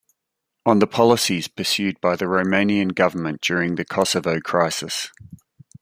On the policies pursued by the Romanian government during the Kosovo crisis.